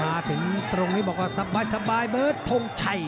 มาถึงตรงนี้บอกว่าสบายเบิร์ตทงชัย